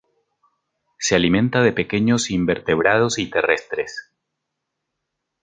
Se alimenta de pequeños invertebrados y terrestres.